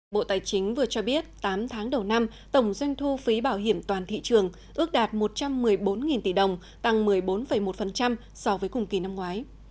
bộ tài chính vừa cho biết tám tháng đầu năm tổng doanh thu phí bảo hiểm toàn thị trường ước đạt một trăm một mươi bốn tỷ đồng tăng một mươi bốn một so với cùng kỳ năm ngoái